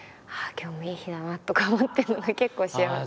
今日もいい日だなとか思ってるのが結構幸せ。